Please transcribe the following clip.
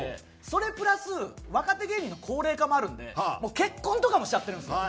それプラス若手芸人の高齢化もあるんで結婚とかもしちゃってるんですよ。